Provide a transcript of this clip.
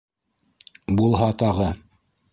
Булһа тағы?